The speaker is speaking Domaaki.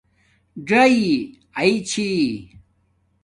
ژآئ آئ چھی